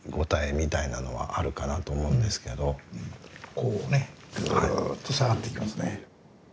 こうねぐっと下がっていきますね。